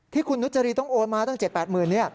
ที่คุณนุษย์จรีย์ต้องโอนมาตั้ง๗๐๐๐๐๘๐๐๐๐บาท